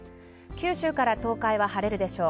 九州から東海は晴れるでしょう。